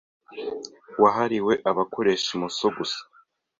wahariwe abakoresha imoso gusa